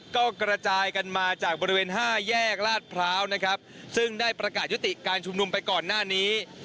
ก็กระจายกันมาจากบริเวณห้าแยกลาดพร้าวนะครับซึ่งได้ประกาศยุติการชุมนุมไปก่อนหน้านี้